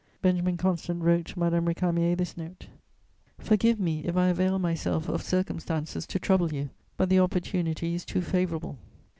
Benjamin Constant wrote Madame Récamier this note: "Forgive me if I avail myself of circumstances to trouble you; but the opportunity is too favourable.